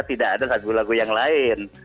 tidak ada lagu lagu yang lain